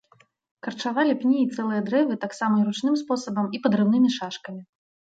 Карчавалі пні і цэлыя дрэвы таксама і ручным спосабам і падрыўнымі шашкамі.